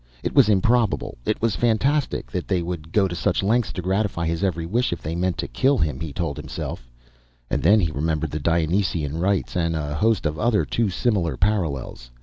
It was improbable, it was fantastic that they would go to such lengths to gratify his every wish if they meant to kill him, he told himself; and then he remembered the Dionysian rites, and a host of other, too similar parallels.